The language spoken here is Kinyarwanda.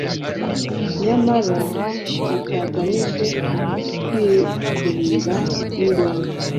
nyamara butagamije kwikubira indonke